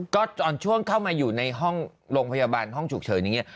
ก็ตอนช่วงเข้ามาอยู่ในห้องโรงพยาบาลห้องฉุกเฉินอย่างนี้